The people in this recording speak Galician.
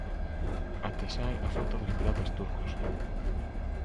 Até sae a frota dos piratas turcos!